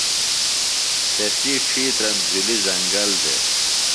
تسی ڇِھیترم جُھلیۡ زنگل دےۡ۔